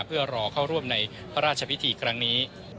เพื่อรอเข้าร่วมในพระราชพิธีครั้งนี้